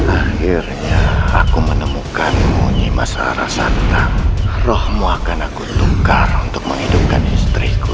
akhirnya aku menemukanmu nyimah sarah santan rohmu akan aku tukar untuk menghidupkan istriku